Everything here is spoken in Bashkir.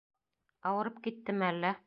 Ауырып киттеме әллә?